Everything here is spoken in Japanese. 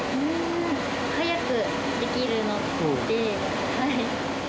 早くできるのではい。